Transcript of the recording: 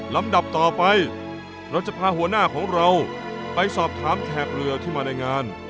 ดับต่อไปเราจะพาหัวหน้าของเราไปสอบถามแขกเรือที่มาในงาน